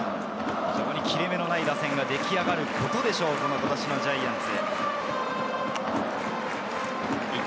切れ目のない打線ができ上がることでしょう、今年のジャイアンツ。